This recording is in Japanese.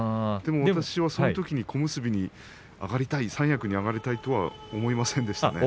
でも私はそのときに小結に上がりたい、三役に上がりたいと思いませんでした。